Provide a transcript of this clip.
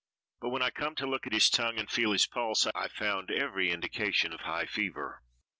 But when I come to look at his tongue and feel his pulse I found every indication of high fever.